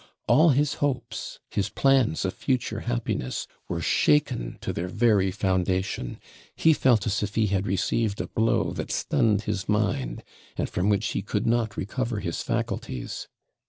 All his hopes, his plans of future happiness, were shaken to their very foundation; he felt as if he had received a blow that stunned his mind, and from which he could not recover his faculties.